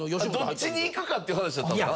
どっちに行くかって話だったんですか？